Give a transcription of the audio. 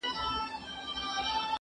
د کتابتون د کار مرسته وکړه؟!